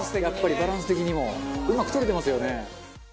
「やっぱりバランス的にもうまく撮れてますよね」